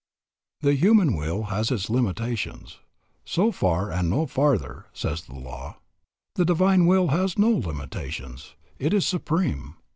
The human will has its limitations. So far and no farther, says the law. The divine will has no limitations. It is supreme.